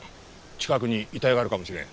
近くに遺体があるかもしれん。